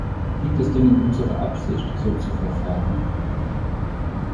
Liegt es denn in unserer Absicht, so zu verfahren?